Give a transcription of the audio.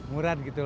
murad gitu loh